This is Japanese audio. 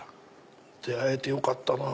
出会えてよかったなぁ